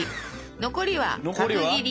残りは角切り。